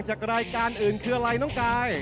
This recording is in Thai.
จากรายการอื่นคืออะไรน้องกาย